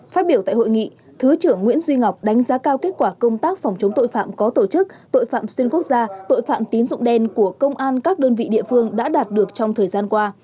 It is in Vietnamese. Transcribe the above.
phát biểu tại hội nghị thứ trưởng nguyễn duy ngọc đánh giá cao kết quả công tác phòng chống tội phạm có tổ chức tội phạm xuyên quốc gia tội phạm tín dụng đen của công an các đơn vị địa phương đã đạt được trong thời gian qua